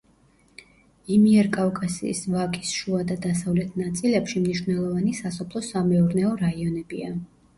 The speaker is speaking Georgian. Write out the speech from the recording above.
იმიერკავკასიის ვაკის შუა და დასავლეთ ნაწილებში მნიშვნელოვანი სასოფლო-სამეურნეო რაიონებია.